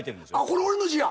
これ俺の字や。